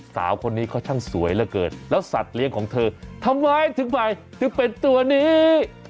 สาวคนนี้เขาช่างสวยเหลือเกินแล้วสัตว์เลี้ยงของเธอทำไมถึงหมายถึงเป็นตัวนี้